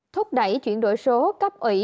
thúc đẩy chuyển đổi số cấp ủy